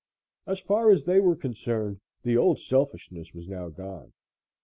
As far as they were concerned, the old selfishness was now gone.